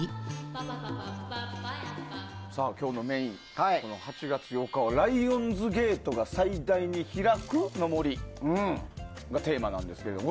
今日のメイン、８月８日はライオンズゲートが最大に開くの森がテーマなんですけど。